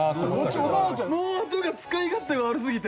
もうあとが使い勝手が悪すぎて。